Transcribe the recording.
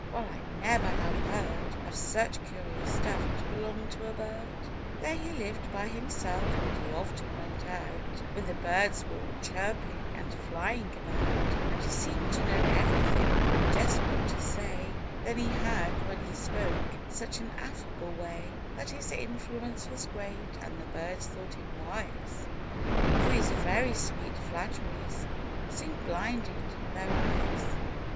Well, I never have heard Of such curious stuff to belong to a bird ! There he lived by himself, hut he often went out When the birds were all chirping and flying about; And he seemed to know everything ; just what to say ; Then he had, when he spoke, such an affable way, That his influence was great, and the birds thought him wise, For his very sweet flatteries soon blinded their eyes.